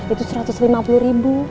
itu satu ratus lima puluh ribu